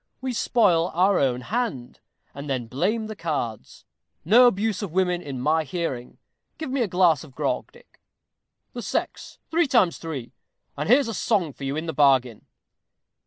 We spoil our own hand, and then blame the cards. No abuse of women in my hearing. Give me a glass of grog, Dick. 'The sex! three times three!' and here's a song for you into the bargain."